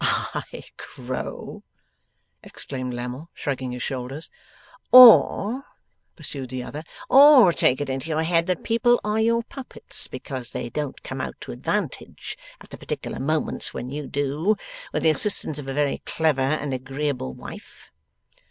'I crow!' exclaimed Lammle, shrugging his shoulders. 'Or,' pursued the other 'or take it in your head that people are your puppets because they don't come out to advantage at the particular moments when you do, with the assistance of a very clever and agreeable wife.